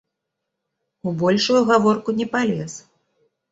У большую гаворку не палез.